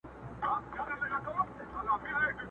د زمانې له چپاوونو را وتلی چنار؛